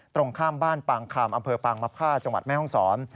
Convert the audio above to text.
ตรงข้ามบ้านปางคามอำเภอปางมภาจังหวัดแม่ห้องศร